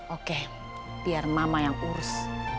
oke biar mama yang urus